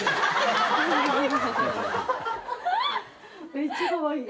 めっちゃかわいい。